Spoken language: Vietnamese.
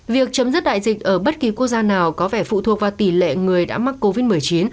việc chấm dứt đại dịch ở bất kỳ quốc gia nào có vẻ phụ thuộc vào tỷ lệ người đã mắc covid một mươi chín